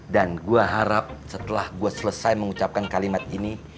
dan gue harap setelah gue selesai mengucapkan kalimat ini